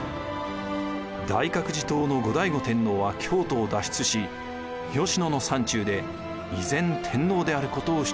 大覚寺統の後醍醐天皇は京都を脱出し吉野の山中で依然天皇であることを主張しました。